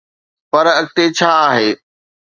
پر اڳتي ڇا آهي؟